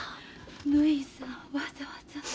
ぬひさんわざわざ。